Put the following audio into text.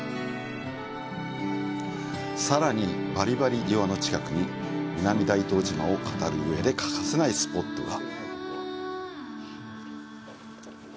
さらにバリバリ岩の近くに南大東島を語る上で欠かせないスポットが。